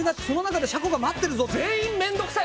その中で車庫が待ってるぞ。